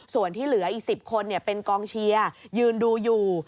ส่วนที่เหลืออีก๑๐คนเป็นกองเชียร์ยืนดูอยู่